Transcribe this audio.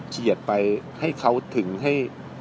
เฉียดไปให้เขาถึงให้